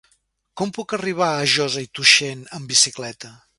Com puc arribar a Josa i Tuixén amb bicicleta?